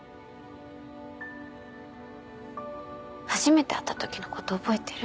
初めて会ったときのこと覚えてる？